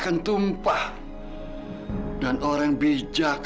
liat terus lo omongan kakek